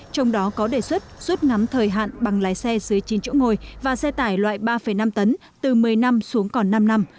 trong đó có đề xuất rút ngắn thời hạn bằng lái xe dưới chín chỗ ngồi và xe tải loại ba năm tấn từ một mươi năm xuống còn năm năm